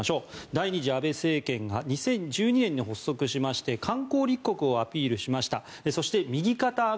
第２次安倍政権が２０１２年に発足して観光立国をアピールしました。